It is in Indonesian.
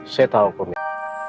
saya tahu komitmen